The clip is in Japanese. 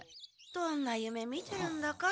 どんなゆめ見てるんだか。